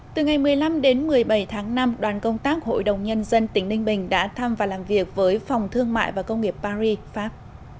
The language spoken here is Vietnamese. từ ngày một mươi năm đến một mươi bảy tháng năm đoàn công tác hội đồng nhân dân tỉnh ninh bình đã thăm và làm việc với phòng thương mại và công nghiệp paris pháp